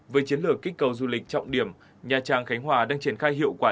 với chiến lược kích cầu du lịch trọng điểm nha trang khánh hòa đang triển khai hiệu quả